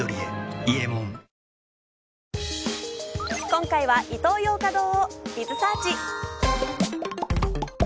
今回はイトーヨーカドーを。